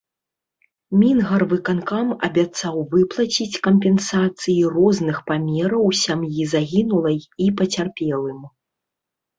Мінгарвыканкам абяцаў выплаціць кампенсацыі розных памераў сям'і загінулай і пацярпелым.